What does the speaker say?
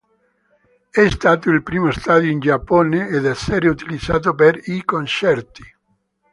È stato il primo stadio, in Giappone ad essere utilizzato per i concerti.